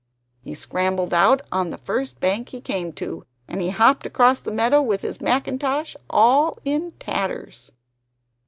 He scrambled out on the first bank he came to, and he hopped home across the meadow with his mackintosh all in tatters.